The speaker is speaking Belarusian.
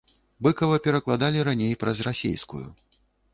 Быкава перакладалі раней праз расейскую.